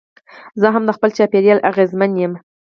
زه هم د خپل چاپېریال اغېزمن یم.